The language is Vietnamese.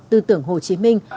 tư tưởng hồ chí minh